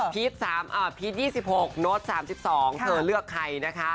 พีช๒๖โน้ต๓๒เธอเลือกใครนะคะ